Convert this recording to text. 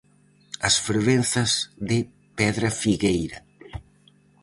As fervenzas de Pedrafigueira.